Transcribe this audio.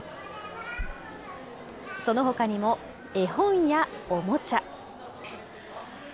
そのほかにも絵本やおもちゃ。